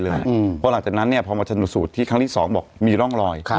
เพราะหลังจากนั้นพอมาชนสูตรที่ครั้งที่๒บอกมีร่องรอย